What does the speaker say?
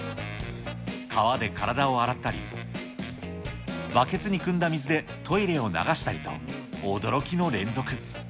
川で体を洗ったり、バケツにくんだ水でトイレを流したりと、驚きの連続。